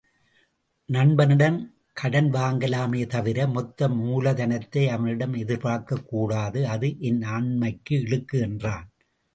நண்பனிடம் கடன் வாங்கலாமே தவிர மொத்த மூலதனத்தை அவனிடம் எதிர்பார்க்கக் கூடாது அது என் ஆண்மைக்கு இழுக்கு என்றான்.